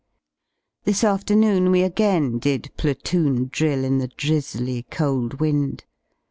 r . This afternoon we again did platoon drill in the drizzly .»^> cold wind.